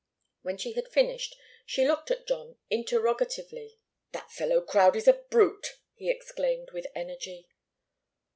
When she had finished, she looked at John interrogatively. "That fellow Crowdie's a brute!" he exclaimed, with energy.